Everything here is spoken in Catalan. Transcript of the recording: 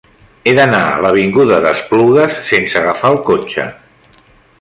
He d'anar a l'avinguda d'Esplugues sense agafar el cotxe.